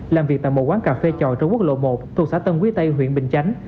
làm việc tại một quán cà phê trọi trên quốc lộ một thuộc xã tân quý tây huyện bình chánh